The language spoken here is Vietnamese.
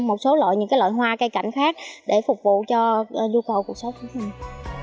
một số loại những loại hoa cây cảnh khác để phục vụ cho nhu cầu cuộc sống của nhân dân